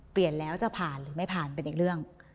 เปลี่ยนแล้วจะผ่านหรือไม่ผ่านเป็นอีกเรื่อง